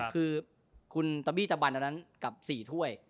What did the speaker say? คือคุณตะบี้ตะบันอันนั้นกับ๔ถ้วย